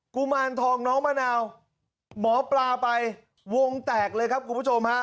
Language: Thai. กุมารทองน้องมะนาวหมอปลาไปวงแตกเลยครับคุณผู้ชมฮะ